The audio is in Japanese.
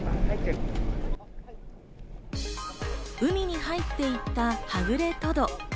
海に入っていった、はぐれトド。